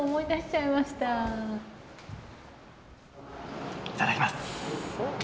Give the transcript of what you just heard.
いただきます。